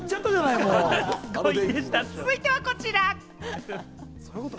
続いてはこちら。